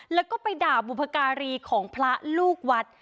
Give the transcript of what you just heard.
แล้วก็ไปด่าบุพการีของพระลูกวัด